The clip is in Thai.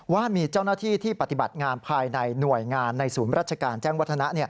ว่ามีเจ้าหน้าที่ที่ปฏิบัติงานภายในหน่วยงานในศูนย์ราชการแจ้งวัฒนะ